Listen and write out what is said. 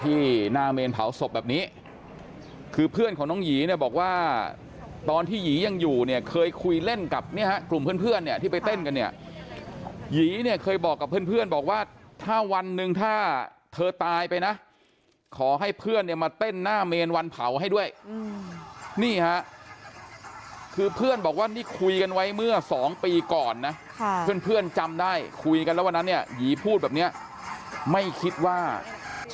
ที่หน้าเมนเผาศพที่หน้าเมนเผาศพที่หน้าเมนเผาศพที่หน้าเมนเผาศพที่หน้าเมนเผาศพที่หน้าเมนเผาศพที่หน้าเมนเผาศพที่หน้าเมนเผาศพที่หน้าเมนเผาศพที่หน้าเมนเผาศพที่หน้าเมนเผาศพที่หน้าเมนเผาศพที่หน้าเมนเผาศพที่หน้าเมนเผาศพที่หน้าเมนเผาศ